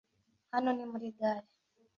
hano ni muri gare ,